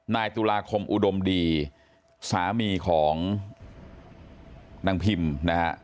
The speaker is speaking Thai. นายตุลาคมอุดมดีสามีของนางพิมนะฮะ